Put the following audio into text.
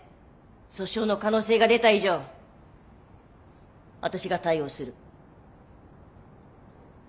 訴訟の可能性が出た以上私が対応する。